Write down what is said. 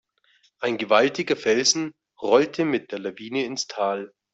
Ein gewaltiger Felsen rollte mit der Lawine ins Tal.